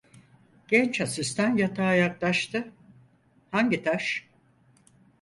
Genç asistan yatağa yaklaştı: Hangi taş?